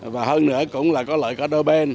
và hơn nữa cũng là có lợi cả đôi bên